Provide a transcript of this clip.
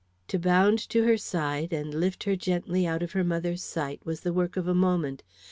To bound to her side, and lift her gently out of her mother's sight, was the work of a moment.